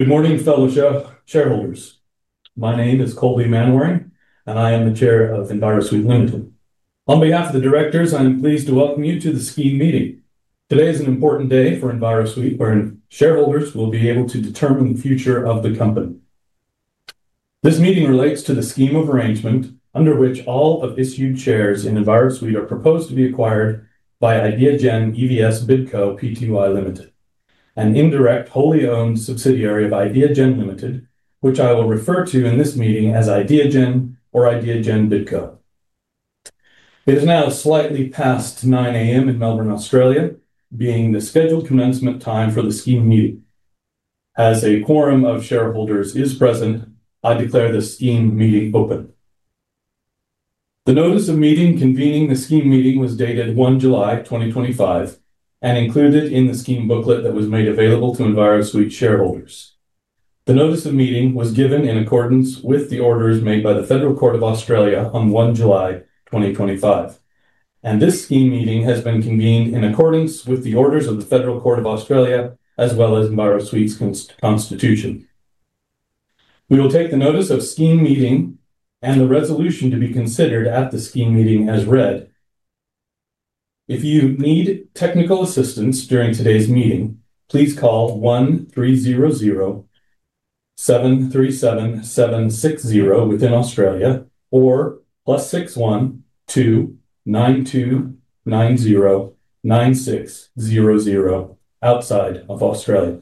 Good morning, fellow shareholders. My name is Colby Manwaring, and I am the Chair of Envirosuite Limited. On behalf of the Directors, I'm pleased to welcome you to the scheme meeting. Today is an important day for Envirosuite, where shareholders will be able to determine the future of the company. This meeting relates to the scheme of arrangement under which all of the issued shares in Envirosuite are proposed to be acquired by Ideagen EVS BidCo Pty Limited, an indirect wholly owned subsidiary of Ideagen Limited, which I will refer to in this meeting as Ideagen or Ideagen BidCo. It is now slightly past 9:00 A.M. in Melbourne, Australia, being the scheduled commencement time for the scheme meeting. As a quorum of shareholders is present, I declare this scheme meeting open. The notice of meeting convening the scheme meeting was dated 1 July 2025 and included in the scheme booklet that was made available to Envirosuite shareholders. The notice of meeting was given in accordance with the orders made by the Federal Court of Australia on 1 July 2025, and this scheme meeting has been convened in accordance with the orders of the Federal Court of Australia as well as Envirosuite's Constitution. We will take the notice of scheme meeting and the resolution to be considered at the scheme meeting as read. If you need technical assistance during today's meeting, please call 1300 737 760 within Australia or +61 2 9290 9600 outside of Australia.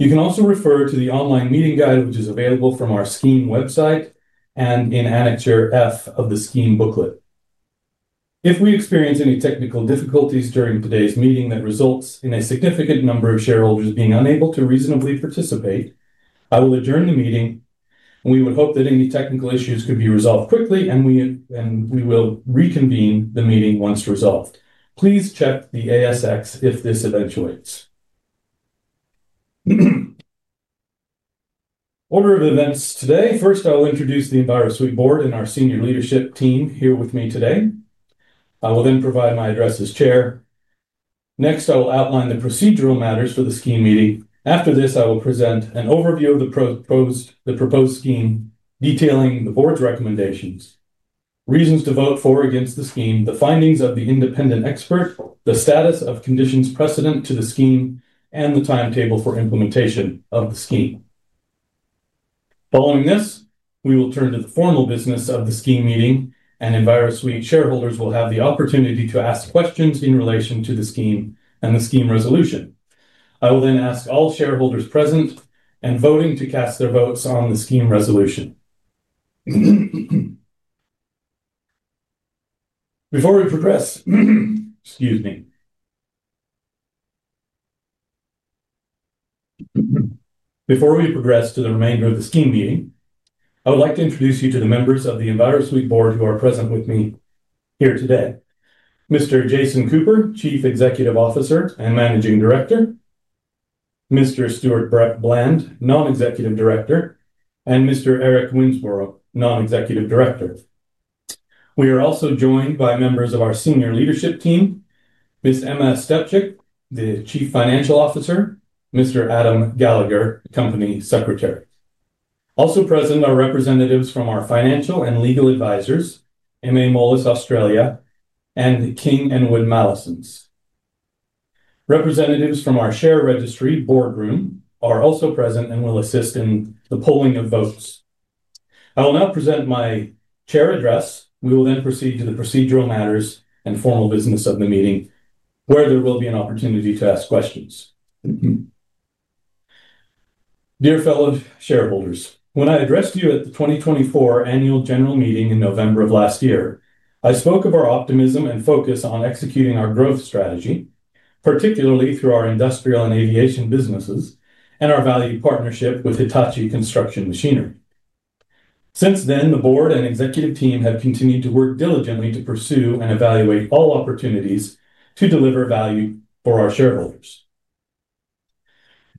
You can also refer to the online meeting guide, which is available from our scheme website and in Annexure F of the scheme booklet. If we experience any technical difficulties during today's meeting that results in a significant number of shareholders being unable to reasonably participate, I will adjourn the meeting. We would hope that any technical issues could be resolved quickly, and we will reconvene the meeting once resolved. Please check the ASX if this eventuates. Order of events today, first I'll introduce the Envirosuite Board and our senior leadership team here with me today. I will then provide my address as Chair. Next, I'll outline the procedural matters for the scheme meeting. After this, I will present an overview of the proposed scheme detailing the Board's recommendations, reasons to vote for or against the scheme, the findings of the independent expert, the status of conditions precedent to the scheme, and the timetable for implementation of the scheme. Following this, we will turn to the formal business of the scheme meeting, and Envirosuite shareholders will have the opportunity to ask questions in relation to the scheme and the Scheme resolution. I will then ask all shareholders present and voting to cast their votes on the Scheme resolution. Before we progress to the remainder of the scheme meeting, I would like to introduce you to the members of the Envirosuite board who are present with me here today: Mr. Jason Cooper, Chief Executive Officer and Managing Director; Mr. Stuart Bland, Non-Executive Director; and Mr. Eric Winsborrow, Non-Executive Director. We are also joined by members of our senior leadership team: Ms. Emma Stepcic, the Chief Financial Officer; and Mr. Adam Gallagher, Company Secretary. Also present are representatives from our financial and legal advisors, MA Moelis Australia, and King & Wood Mallesons. Representatives from our share registry Boardroom are also present and will assist in the polling of votes. I will now present my chair address. We will then proceed to the procedural matters and formal business of the meeting, where there will be an opportunity to ask questions. Dear fellow shareholders, when I addressed you at the 2024 Annual General Meeting in November of last year, I spoke of our optimism and focus on executing our growth strategy, particularly through our industrial and aviation businesses and our valued partnership with Hitachi Construction Machinery. Since then, the board and executive team have continued to work diligently to pursue and evaluate all opportunities to deliver value for our shareholders.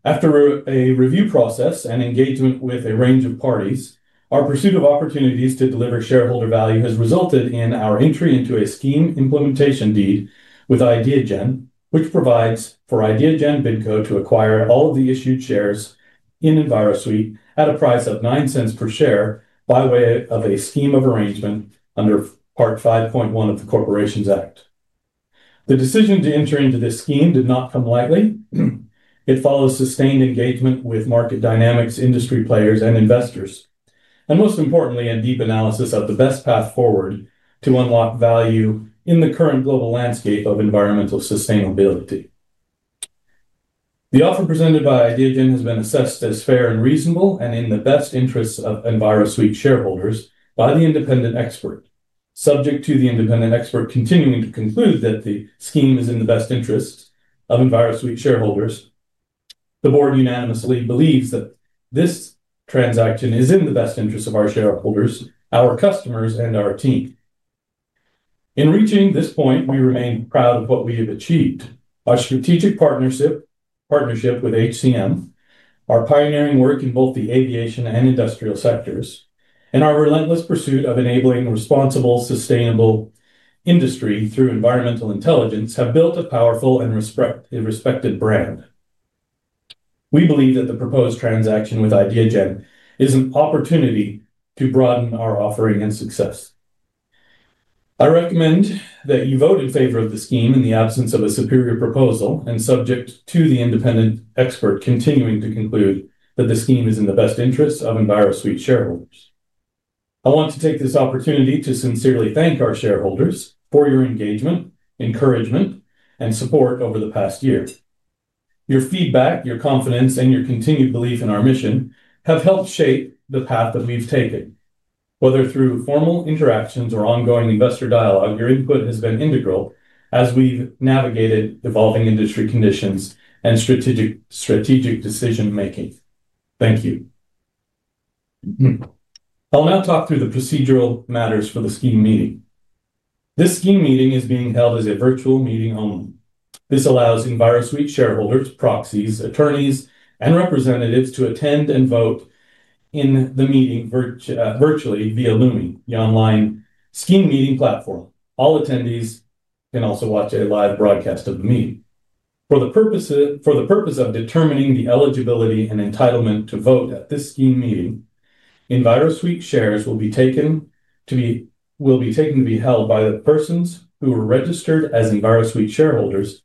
After a review process and engagement with a range of parties, our pursuit of opportunities to deliver shareholder value has resulted in our entry into a scheme implementation deed with Ideagen, which provides for Ideagen Bidco to acquire all of the issued shares in Envirosuite at a price of $0.09 per share by way of a scheme of arrangement under Part 5.1 of the Corporations Act. The decision to enter into this scheme did not come lightly. It follows sustained engagement with market dynamics, industry players, and investors, and most importantly, a deep analysis of the best path forward to unlock value in the current global landscape of environmental sustainability. The offer presented by Ideagen has been assessed as fair and reasonable and in the best interests of Envirosuite shareholders by the independent expert. Subject to the independent expert continuing to conclude that the scheme is in the best interests of Envirosuite shareholders, the Board unanimously believes that this transaction is in the best interests of our shareholders, our customers, and our team. In reaching this point, we remain proud of what we have achieved. Our strategic partnership with HCM, our pioneering work in both the aviation and industrial sectors, and our relentless pursuit of enabling a responsible, sustainable industry through environmental intelligence have built a powerful and respected brand. We believe that the proposed transaction with Ideagen is an opportunity to broaden our offering and success. I recommend that you vote in favor of the scheme in the absence of a superior proposal and subject to the independent expert continuing to conclude that the scheme is in the best interests of Envirosuite shareholders. I want to take this opportunity to sincerely thank our shareholders for your engagement, encouragement, and support over the past year. Your feedback, your confidence, and your continued belief in our mission have helped shape the path that we've taken. Whether through formal interactions or ongoing investor dialogue, your input has been integral as we've navigated evolving industry conditions and strategic decision-making. Thank you. I'll now talk through the procedural matters for the scheme meeting. This scheme meeting is being held as a virtual meeting only. This allows Envirosuite shareholders, proxies, attorneys, and representatives to attend and vote in the meeting virtually via Lumi, the online scheme meeting platform. All attendees can also watch a live broadcast of the meeting. For the purpose of determining the eligibility and entitlement to vote at this scheme meeting, Envirosuite shares will be taken to be held by the persons who are registered as Envirosuite shareholders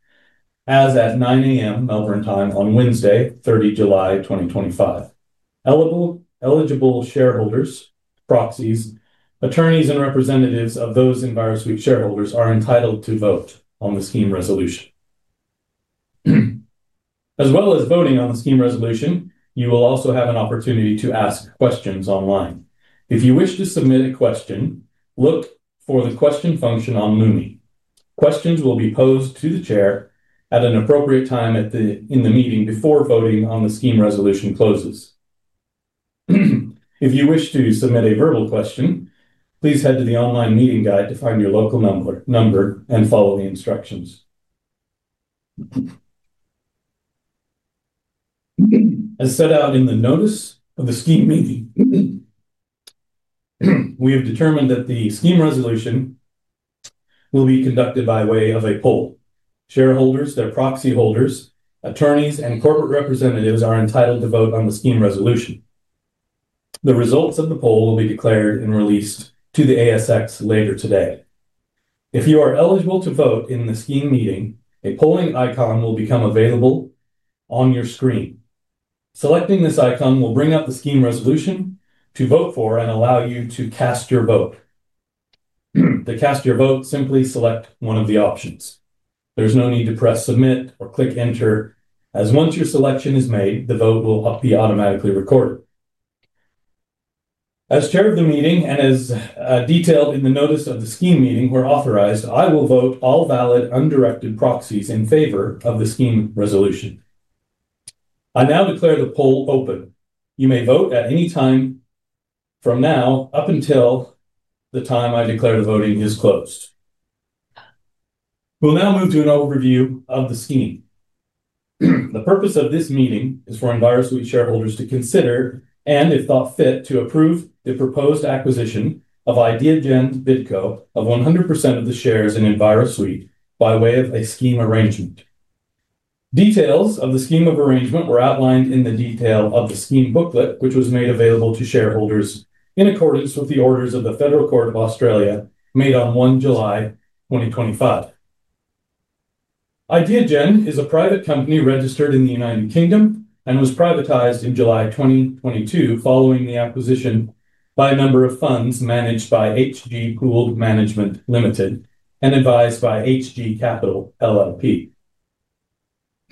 as at 9:00 A.M. Melbourne time on Wednesday, 30 July 2025. Eligible shareholders, proxies, attorneys, and representatives of those Envirosuite shareholders are entitled to vote on the Scheme resolution. As well as voting on the Scheme resolution, you will also have an opportunity to ask questions online. If you wish to submit a question, look for the question function on Lumi. Questions will be posed to the Chair at an appropriate time in the meeting before voting on the Scheme resolution closes. If you wish to submit a verbal question, please head to the online meeting guide to find your local number and follow the instructions. As set out in the notice of the scheme meeting, we have determined that the Scheme resolution will be conducted by way of a poll. Shareholders, their proxy holders, attorneys, and corporate representatives are entitled to vote on the Scheme resolution. The results of the poll will be declared and released to the ASX later today. If you are eligible to vote in the scheme meeting, a polling icon will become available on your screen. Selecting this icon will bring up the Scheme resolution to vote for and allow you to cast your vote. To cast your vote, simply select one of the options. There's no need to press submit or click enter, as once your selection is made, the vote will be automatically recorded. As Chair of the meeting and as detailed in the notice of the scheme meeting, we're authorized, I will vote all valid undirected proxies in favor of the Scheme resolution. I'm now declaring the poll open. You may vote at any time from now up until the time I declare the voting is closed. We'll now move to an overview of the scheme. The purpose of this meeting is for Envirosuite shareholders to consider and, if thought fit, to approve the proposed acquisition of Ideagen BidCo of 100% of the shares in Envirosuite by way of a scheme arrangement. Details of the scheme of arrangement were outlined in the detail of the scheme booklet, which was made available to shareholders in accordance with the orders of the Federal Court of Australia made on 1 July 2025. Ideagen is a private company registered in the United Kingdom and was privatized in July 2022 following the acquisition by a number of funds managed by Hg Pooled Management Limited and advised by Hg Capital LLP.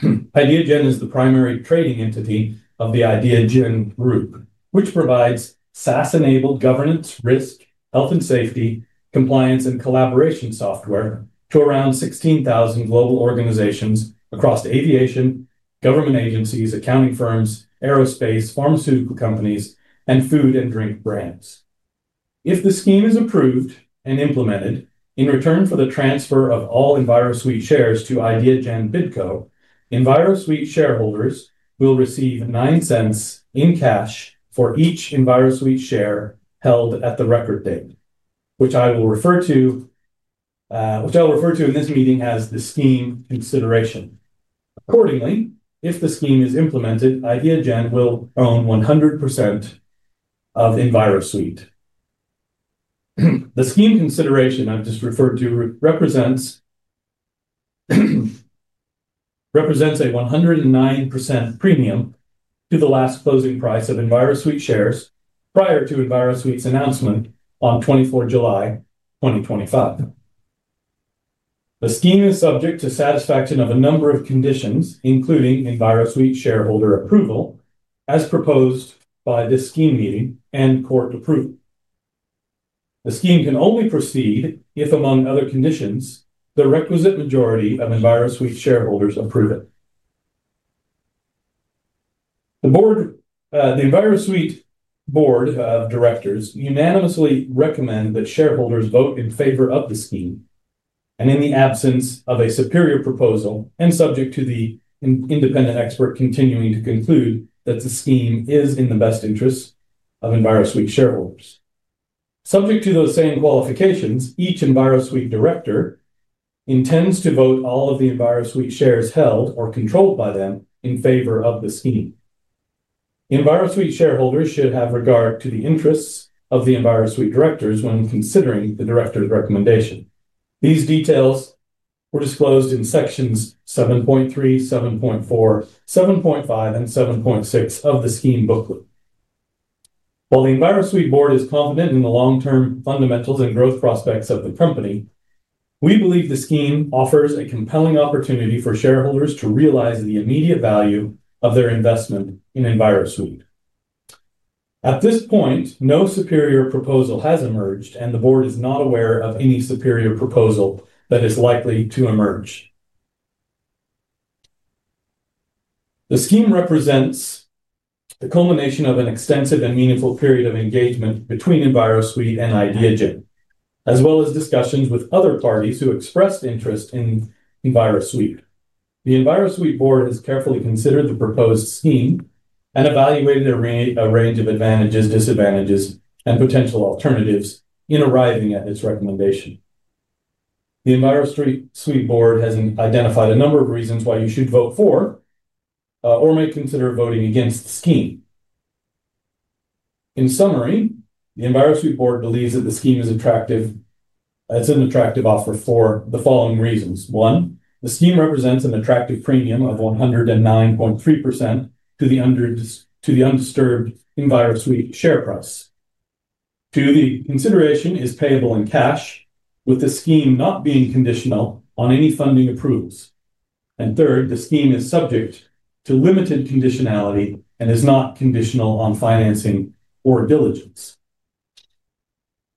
Ideagen is the primary trading entity of the Ideagen Group, which provides SaaS-enabled governance, risk, health and safety, compliance, and collaboration software to around 16,000 global organizations across aviation, government agencies, accounting firms, aerospace, pharmaceutical companies, and food and drink brands. If the scheme is approved and implemented, in return for the transfer of all Envirosuite shares to Ideagen BidCo, Envirosuite shareholders will receive 0.09 in cash for each Envirosuite share held at the record date, which I will refer to in this meeting as the scheme consideration. Accordingly, if the scheme is implemented, Ideagen will own 100% of Envirosuite. The scheme consideration I've just referred to represents a 109% premium to the last closing price of Envirosuite shares prior to Envirosuite's announcement on 24 July 2025. The scheme is subject to satisfaction of a number of conditions, including Envirosuite shareholder approval, as proposed by this scheme meeting, and court approval. The scheme can only proceed if, among other conditions, the requisite majority of Envirosuite shareholders approve it. The Envirosuite board of directors unanimously recommends that shareholders vote in favor of the scheme, and in the absence of a superior proposal and subject to the independent expert continuing to conclude that the scheme is in the best interests of Envirosuite shareholders. Subject to those same qualifications, each Envirosuite Director intends to vote all of the Envirosuite shares held or controlled by them in favor of the scheme. Envirosuite shareholders should have regard to the interests of the Envirosuite directors when considering the directors' recommendation. These details were disclosed in sections 7.3, 7.4, 7.5, and 7.6 of the scheme booklet. While the Envirosuite board is confident in the long-term fundamentals and growth prospects of the company, we believe the scheme offers a compelling opportunity for shareholders to realize the immediate value of their investment in Envirosuite. At this point, no superior proposal has emerged, and the board is not aware of any superior proposal that is likely to emerge. The scheme represents the culmination of an extensive and meaningful period of engagement between Envirosuite and Ideagen, as well as discussions with other parties who expressed interest in Envirosuite, The Envirosuite board has carefully considered the proposed scheme and evaluated a range of advantages, disadvantages, and potential alternatives in arriving at its recommendation. The Envirosuite board has identified a number of reasons why you should vote for or may consider voting against the scheme. In summary, the Envirosuite board believes that the scheme is an attractive offer for the following reasons: One, the scheme represents an attractive premium of 109.3% to the undisturbed Envirosuite share price. Two, the consideration is payable in cash, with the scheme not being conditional on any funding approved. Third, the scheme is subject to limited conditionality and is not conditional on financing or diligence.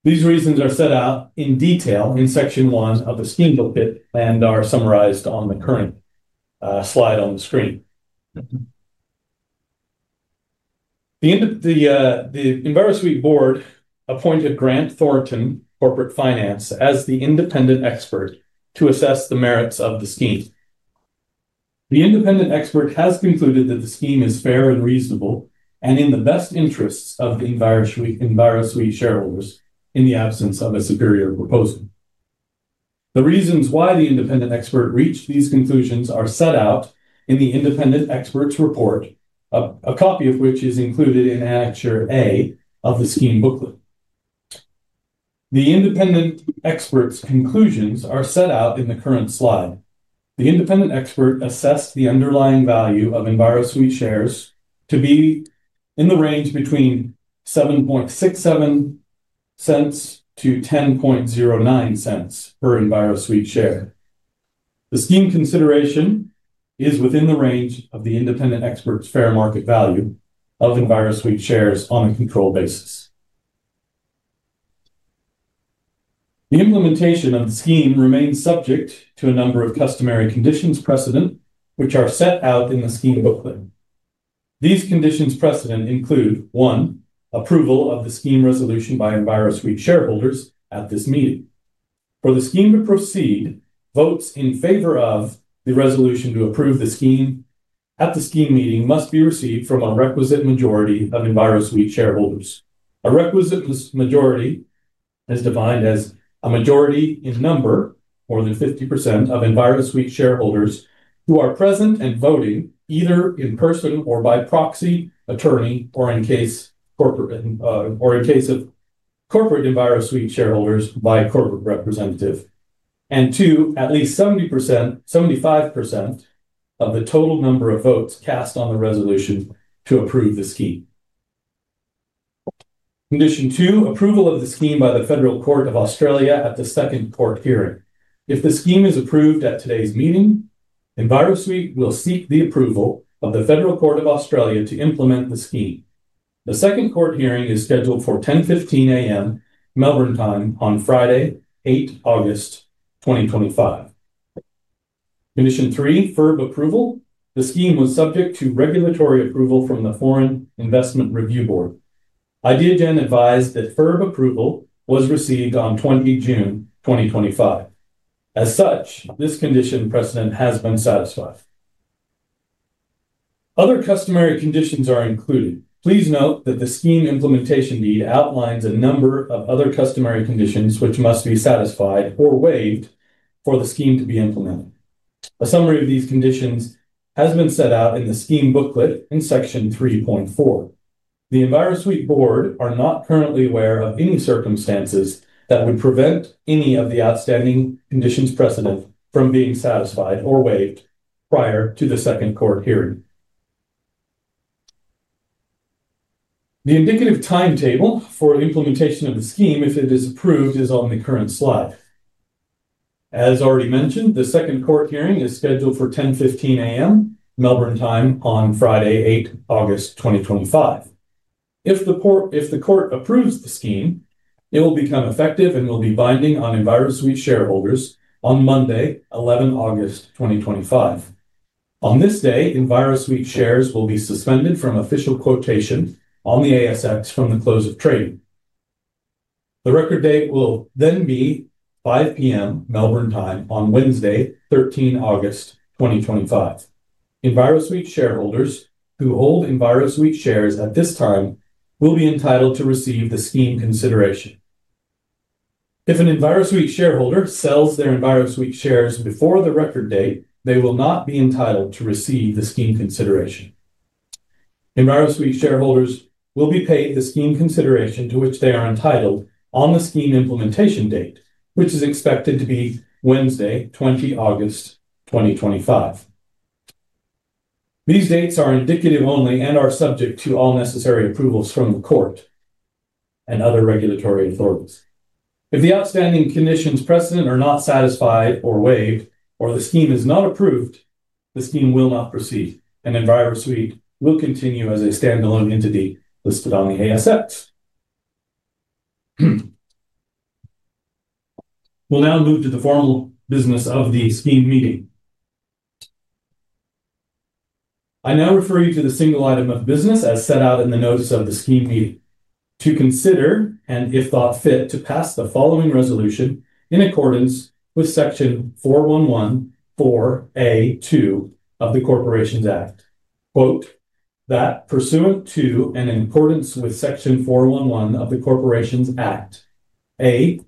These reasons are set out in detail in section one of the scheme booklet and are summarized on the current slide on the screen. The Envirosuite board appointed Grant Thornton Corporate Finance as the independent expert to assess the merits of the scheme. The independent expert has concluded that the scheme is fair and reasonable and in the best interests of the Envirosuite shareholders in the absence of a superior proposal. The reasons why the independent expert reached these conclusions are set out in the independent expert's report, a copy of which is included in Annexure A of the scheme booklet. The independent expert's conclusions are set out in the current slide. The independent expert assessed the underlying value of Envirosuite shares to be in the range between 0.0767-0.1009 per Envirosuite share. The scheme consideration is within the range of the independent expert's fair market value of Envirosuite shares on a controlled basis. The implementation of the scheme remains subject to a number of customary conditions precedent, which are set out in the scheme booklet. These conditions precedent include: One, approval of the Scheme resolution by Envirosuite shareholders at this meeting. For the scheme to proceed, votes in favor of the resolution to approve the scheme at the scheme meeting must be received from a requisite majority of Envirosuite shareholders. A requisite majority is defined as a majority in number more than 50% of Envirosuite shareholders who are present and voting either in person or by proxy, attorney, or in case of corporate Envirosuite shareholders, by a corporate representative. Two, at least 75% of the total number of votes cast on the resolution to approve the scheme. Condition two, approval of the scheme by the Federal Court of Australia at the second court hearing. If the scheme is approved at today's meeting, Envirosuite will seek the approval of the Federal Court of Australia to implement the scheme. The second court hearing is scheduled for 10:15 A.M. Melbourne time on Friday, 8 August 2025. Condition three, FIRB approval. The scheme was subject to regulatory approval from the Foreign Investment Review Board. Ideagen advised that FIRB approval was received on 20 June 2025. As such, this condition precedent has been satisfied. Other customary conditions are included. Please note that the scheme implementation deed outlines a number of other customary conditions which must be satisfied or waived for the scheme to be implemented. A summary of these conditions has been set out in the scheme booklet in Section 3.4. The Envirosuite board is not currently aware of any circumstances that would prevent any of the outstanding conditions precedent from being satisfied or waived prior to the second court hearing. The indicative timetable for the implementation of the scheme, if it is approved, is on the current slide. As already mentioned, the second court hearing is scheduled for 10:15 A.M. Melbourne time on Friday, 8 August 2025. If the court approves the scheme, it will become effective and will be binding on Envirosuite shareholders on Monday, 11 August 2025. On this day, Envirosuite shares will be suspended from official quotation on the ASX from the close of trading. The record date will then be 5:00 P.M. Melbourne time on Wednesday, 13 August 2025. Envirosuite shareholders who hold Envirosuite shares at this time will be entitled to receive the scheme consideration. If an Envirosuite shareholder sells their Envirosuite shares before the record date, they will not be entitled to receive the scheme consideration. Envirosuite shareholders will be paid the scheme consideration to which they are entitled on the scheme implementation date, which is expected to be Wednesday, 20 August 2025. These dates are indicative only and are subject to all necessary approvals from the court and other regulatory authorities. If the outstanding conditions precedent are not satisfied or waived, or the scheme is not approved, the scheme will not proceed, and Envirosuite will continue as a standalone entity listed on the ASX. We'll now move to the formal business of the scheme meeting. I now refer you to the single item of business as set out in the notice of the scheme meeting to consider and, if thought fit, to pass the following resolution in accordance with Section 411(4)(a)(2) of the Corporations Act. Quote, "That pursuant to and in accordance with Section 411 of the Corporations Act: A.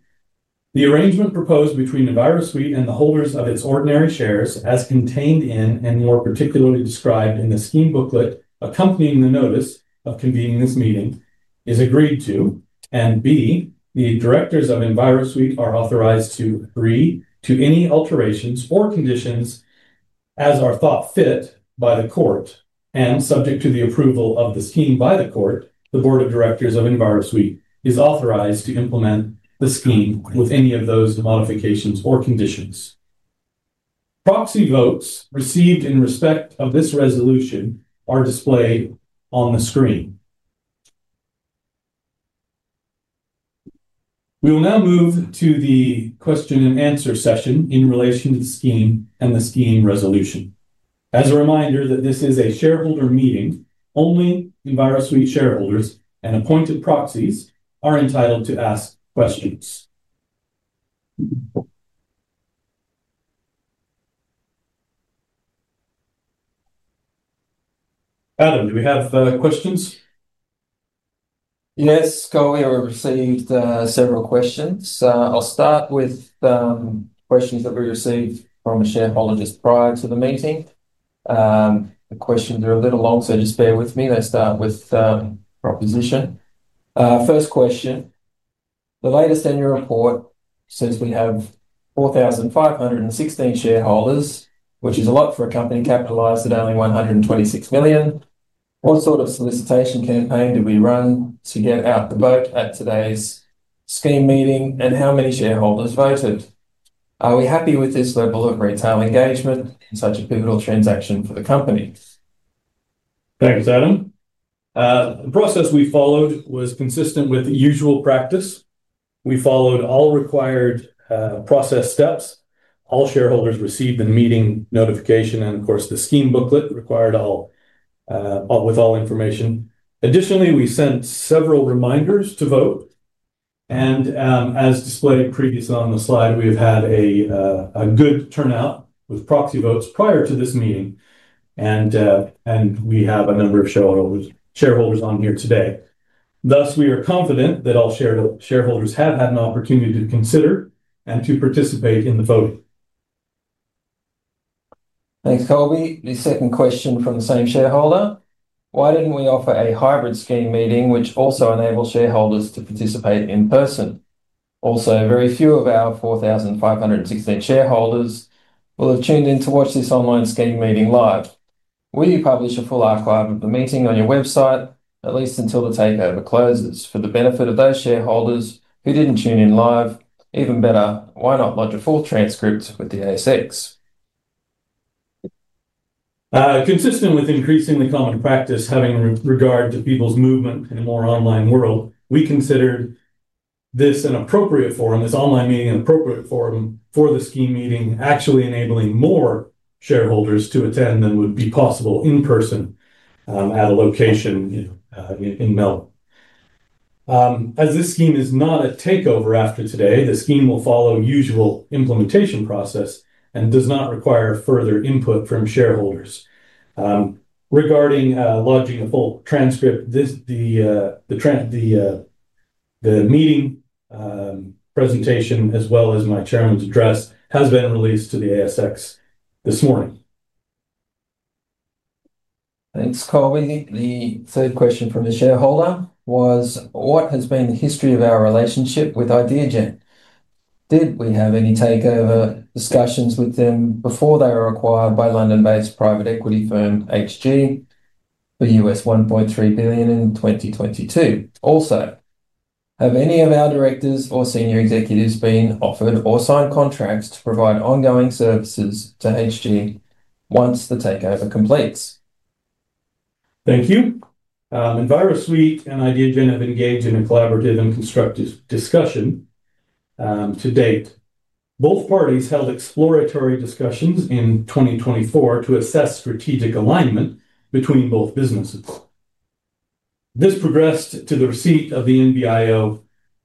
The arrangement proposed between Envirosuite and the holders of its ordinary shares, as contained in and more particularly described in the scheme booklet accompanying the notice of convening this meeting, is agreed to; and B. The directors of Envirosuite are authorized to agree to any alterations or conditions as are thought fit by the court, and subject to the approval of the scheme by the court, the board of directors of Envirosuite is authorized to implement the scheme with any of those modifications or conditions. Proxy votes received in respect of this resolution are displayed on the screen. We will now move to the question and answer session in relation to the scheme and the Scheme resolution. As a reminder that this is a shareholder meeting, only Envirosuite shareholders and appointed proxies are entitled to ask questions. Adam, do we have questions? Yes, Scott, we received several questions. I'll start with the questions that we received from the shareholders prior to the meeting. The questions are a little long, so just bear with me. Let's start with the proposition. First question, the latest annual report says we have 4,516 shareholders, which is a lot for a company capitalized at only 126 million. What sort of solicitation campaign did we run to get out the vote at today's scheme meeting, and how many shareholders voted? Are we happy with this level of retail engagement in such a pivotal transaction for the company? Thanks, Adam. The process we followed was consistent with the usual practice. We followed all required process steps. All shareholders received the meeting notification, and of course, the scheme booklet required with all information. Additionally, we sent several reminders to vote, and as displayed previously on the slide, we have had a good turnout with proxy votes prior to this meeting, and we have a number of shareholders on here today. Thus, we are confident that all shareholders have had an opportunity to consider and to participate in the vote. Thanks, Colby. The second question from the same shareholder: Why didn't we offer a hybrid scheme meeting, which also enables shareholders to participate in person? Also, very few of our 4,516 shareholders will have tuned in to watch this online scheme meeting live. Will you publish a full archive of the meeting on your website, at least until the takeover closes? For the benefit of those shareholders who didn't tune in live, even better, why not lodge a full transcript to the ASX? Consistent with increasingly common practice, having regard to people's movement in a more online world, we considered this an appropriate forum, this online meeting, an appropriate forum for the scheme meeting, actually enabling more shareholders to attend than would be possible in person at a location in Melbourne. As this scheme is not a takeover, after today, the scheme will follow the usual implementation process and does not require further input from shareholders. Regarding lodging a full transcript, the meeting presentation, as well as my Chairman's address, has been released to the ASX this morning. Thanks, Colby. The third question from the shareholder was: What has been the history of our relationship with Ideagen? Did we have any takeover discussions with them before they were acquired by London-based private equity firm Hg for $1.3 billion in 2022? Also, have any of our directors or senior executives been offered or signed contracts to provide ongoing services to Hg once the takeover completes? Thank you. Envirosuite and Ideagen have engaged in a collaborative and constructive discussion to date. Both parties held exploratory discussions in 2024 to assess strategic alignment between both businesses. This progressed to the receipt of the NBIO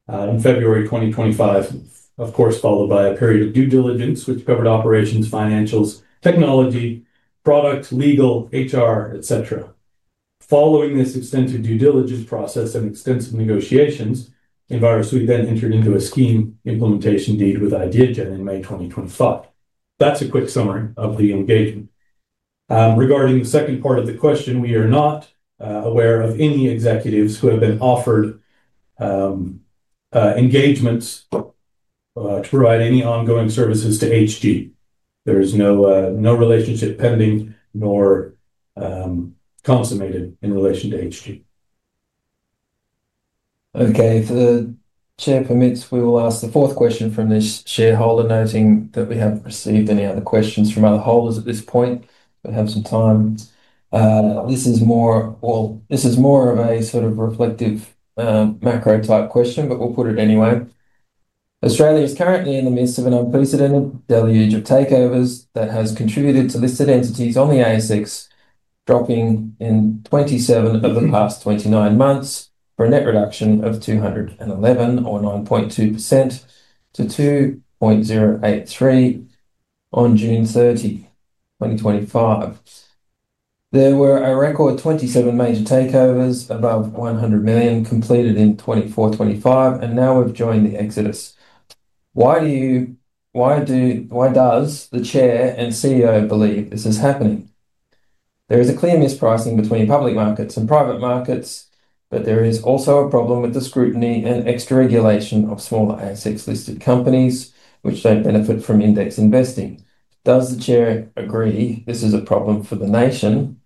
in February 2025, of course, followed by a period of due diligence, which covered operations, financials, technology, product, legal, HR, etc. Following this extensive due diligence process and extensive negotiations, Envirosuite then entered into a scheme implementation deed with Ideagen in May 2025. That's a quick summary of the engagement. Regarding the second part of the question, we are not aware of any executives who have been offered engagements to provide any ongoing services to Hg. There is no relationship pending nor consummated in relation to Hg. Okay, if the Chair permits, we will ask the fourth question from this shareholder, noting that we haven't received any other questions from other holders at this point. We'll have some time. This is more of a sort of reflective macro type question, but we'll put it anyway. Australia is currently in the midst of an unprecedented deluge of takeovers that has contributed to listed entities on the ASX dropping in 27 of the past 29 months for a net reduction of 211 or 9.2% to 2.083% on June 30, 2025. There were a record 27 major takeovers above 100 million completed in 2024, 2025, and now have joined the exodus. Why do you, why does the Chair and CEO believe this is happening? There is a clear mispricing between public markets and private markets, but there is also a problem with the scrutiny and extra regulation of smaller ASX-listed companies, which don't benefit from index investing. Does the Chair agree this is a problem for the nation,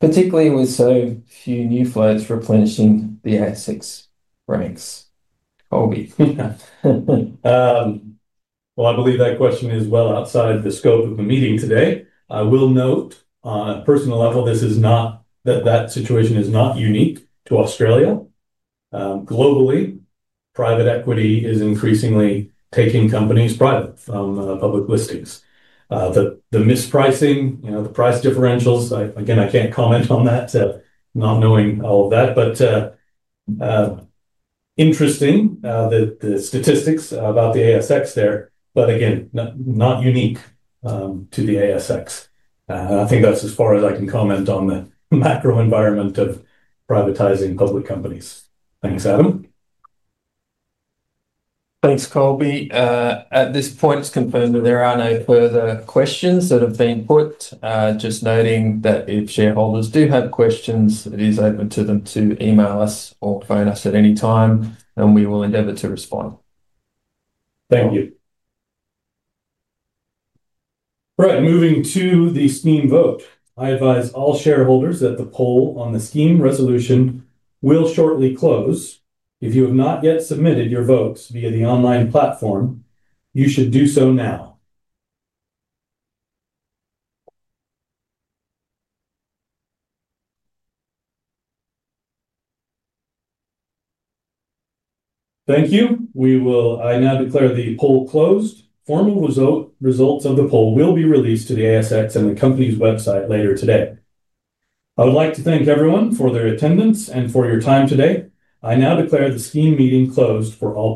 particularly with so few new floats replenishing the ASX ranks? Colby. I believe that question is well outside the scope of the meeting today. I will note, on a personal level, that situation is not unique to Australia. Globally, private equity is increasingly taking companies private from public listings. The mispricing, you know, the price differentials, again, I can't comment on that, not knowing all of that. Interesting that the statistics about the ASX are there, but again, not unique to the ASX. I think that's as far as I can comment on the macro environment of privatizing public companies. Thanks, Adam. Thanks, Colby. At this point, it's confirmed that there are no further questions that have been put. Just noting that if shareholders do have questions, it is open to them to email us or phone us at any time, and we will endeavor to respond. Thank you. All right, moving to the scheme vote. I advise all shareholders that the poll on the Scheme resolution will shortly close. If you have not yet submitted your votes via the online platform, you should do so now. Thank you. We will now declare the poll closed. Formal results of the poll will be released to the ASX and the company's website later today. I would like to thank everyone for their attendance and for your time today. I now declare the scheme meeting closed for all.